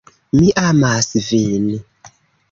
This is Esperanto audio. Mi amas vin!